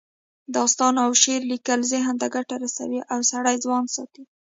داستان او شعر لیکل ذهن ته ګټه رسوي او سړی ځوان ساتي